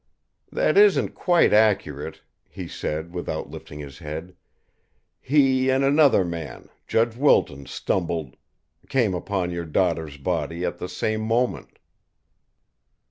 "That isn't quite accurate," he said, without lifting his head. "He and another man, Judge Wilton, stumbled came upon your daughter's body at the same moment."